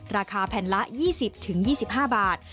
ราคาแผ่นละ๒๐๒๕บาท